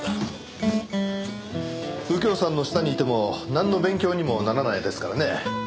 右京さんの下にいてもなんの勉強にもならないですからね。